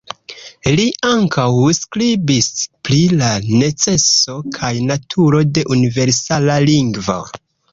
Li ankaŭ skribis pri la neceso kaj naturo de universala lingvo.